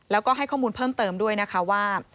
แล้วก็ให้ข้อมูลเพิ่มเติมด้วยนะคะว่า